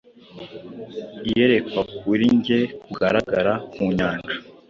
Iyerekwa kuri njye Kugaragara ku nyanja.